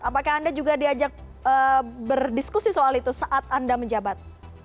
apakah anda juga diajak berdiskusi soal itu saat anda menjabat